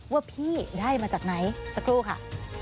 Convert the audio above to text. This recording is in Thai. ว่าพี่ได้มาจากไหนสักครู่ค่ะ